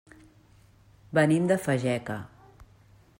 Venim de Fageca.